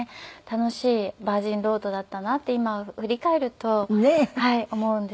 楽しいバージンロードだったなって今振り返ると思うんです。